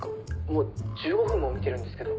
もう１５分も見てるんですけど。